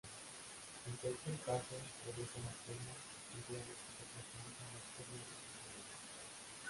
En cualquier caso, producen esperma y huevos que se fertilizan externamente en el agua.